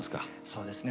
そうですね